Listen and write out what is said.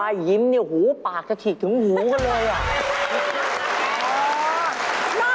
ยิ้มเนี่ยหูปากจะฉีกถึงหูกันเลยอ่ะ